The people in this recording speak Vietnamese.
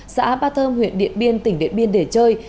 xã ba thơm huyện điện biên tỉnh điện biên để chơi